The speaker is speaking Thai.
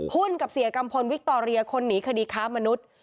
กับเสียกัมพลวิคตอเรียคนหนีคดีค้ามนุษย์